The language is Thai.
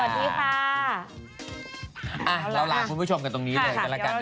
อ่ะเราล้างคุณผู้ชมกันตรงนี้เลยกันแล้วกันนะคะ